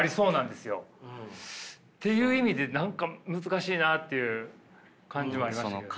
いう意味で何か難しいなっていう感じはありましたけどね。